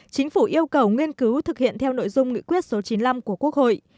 chính phủ yêu cầu nghiên cứu thực hiện theo nội dung nghị quyết số chín mươi năm của quốc hội